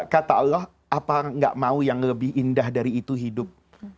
kata allah apa nggak mau yang lebih indah dari itu hidup